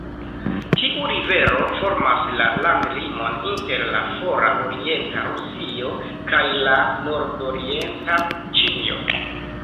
Tiu rivero formas la landlimon inter la fora orienta Rusio kaj la nordorienta Ĉinio.